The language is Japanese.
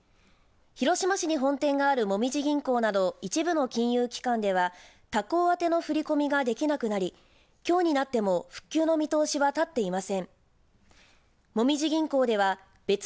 金融機関を結ぶシステムにきのう不具合が発生し広島市に本店があるもみじ銀行など一部の金融機関では他行宛ての振り込みができなくなりきょうになっても復旧の見通しは立っていません。